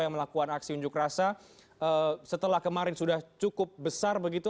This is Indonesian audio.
yang melakukan aksi unjuk rasa setelah kemarin sudah cukup besar begitu